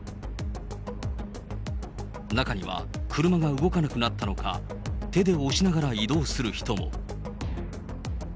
中には、車が動かなくなったのか、手で押しながら移動する人も。